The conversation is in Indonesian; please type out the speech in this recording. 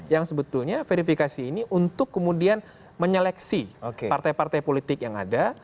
yang sebetulnya verifikasi ini untuk kemudian menyeleksi partai partai politik yang ada